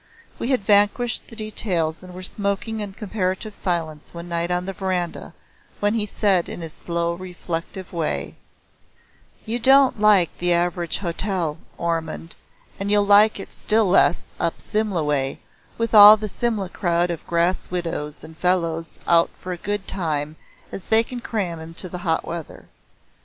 We had vanquished the details and were smoking in comparative silence one night on the veranda, when he said in his slow reflective way; "You don't like the average hotel, Ormond, and you'll like it still less up Simla way with all the Simla crowd of grass widows and fellows out for as good a time as they can cram into the hot weather.